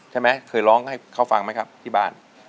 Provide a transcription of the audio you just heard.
เคยร้องให้เขาฟังไหมครับที่บ้าน